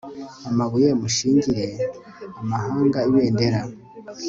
amabuye mushingire amahanga ibendera